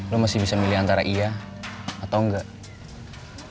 lo masih bisa milih antara iya atau enggak